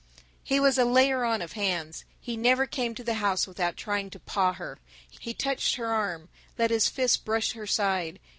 He was a layer on of hands. He never came to the house without trying to paw her. He touched her arm, let his fist brush her side.